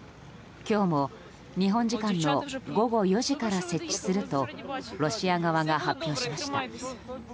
今日も日本時間の午後４時から設置するとロシア側が発表しました。